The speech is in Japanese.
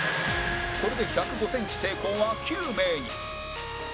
これで１０５センチ成功は９名に